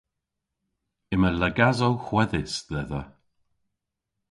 Yma lagasow hwedhys dhedha.